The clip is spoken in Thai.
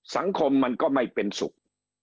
สังคมมันก็ไม่เป็นสุข